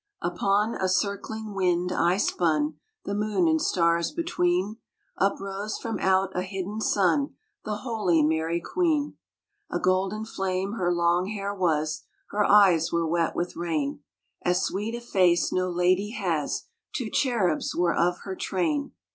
Upon a circling wind I spun The moon and stars between ; Uprose from out a hidden sun The holy Mary Queen ! A golden flame her long hair was, Her eyes were wet with rain ; As sweet a face no lady has — Two cherubs were of her train.